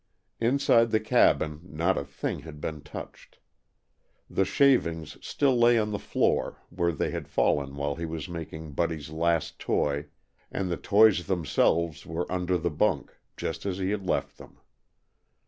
Inside the cabin not a thing had been touched. The shavings still lay on the floor where they had fallen while he was making Buddy's last toy, and the toys themselves were under the bunk just as he had left them.